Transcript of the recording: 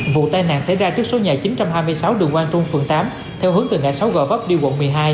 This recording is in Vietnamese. vụ tai nạn xảy ra trước số nhà chín trăm hai mươi sáu đường quang trung phường tám theo hướng tình hạ sáu gò vấp đi quận một mươi hai